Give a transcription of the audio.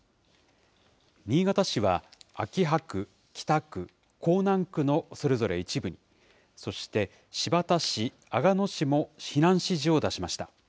新潟市は秋葉区、北区、江南区のそれぞれ一部に、そして、新発田市、阿賀野市も避難指示を出しました。